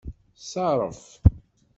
Ṣerref.